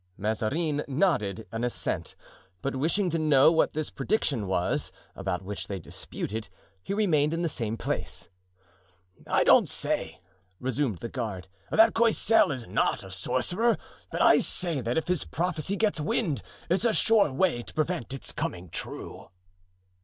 Mazarin nodded an assent, but wishing to know what this prediction was, about which they disputed, he remained in the same place. "I don't say," resumed the guard, "that Coysel is not a sorcerer, but I say that if his prophecy gets wind, it's a sure way to prevent it's coming true."